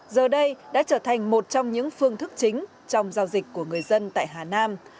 giờ đây đã trở thành một trong những phương thức chính trong giao dịch của người dân tại hà nam